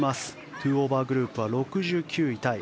２オーバーグループは６９位タイ。